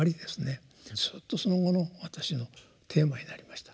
ずっとその後の私のテーマになりました。